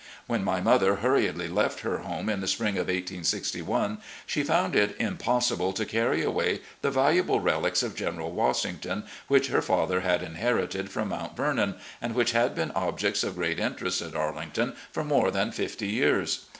When my mother hurriedly left her home in the spring of 1861, she found it impossible to carry away the valu able relics of General Washington which her father had inherited from Mount Vernon, and which had been objects of great interest at Arlington for more than fifty years.